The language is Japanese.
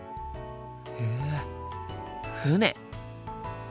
へえ船。